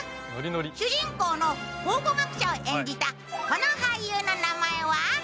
主人公の考古学者を演じたこの俳優の名前は？